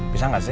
bisa gak sih